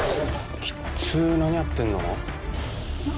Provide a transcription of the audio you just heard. きっつー何やってんの？